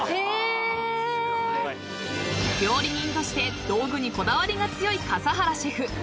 ［料理人として道具にこだわりが強い笠原シェフ］